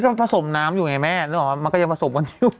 เนี่ยมันประสบน้ำเลยไงแม่มันก็ยังประสบวันนี้